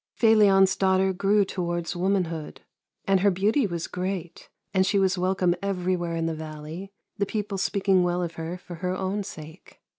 Felion's daughter grew towards womanhood, and her beauty was great, and she was welcome everywhere in the valley, the people speaking well of her for her own sake.